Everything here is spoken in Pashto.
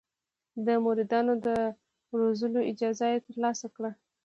د مریدانو د روزلو اجازه یې ترلاسه کړه.